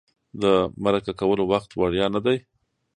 د مرکه کولو وخت وړیا نه دی.